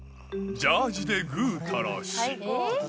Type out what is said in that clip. ジャージでぐうたらし。